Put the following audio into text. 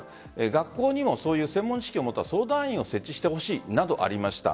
過去にもそういう専門知識を持った相談員を設置してほしいなどありました。